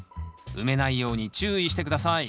埋めないように注意して下さい。